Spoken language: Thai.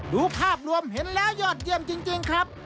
ดูภาพรวมเห็นแล้วยอดเยี่ยมจริงครับ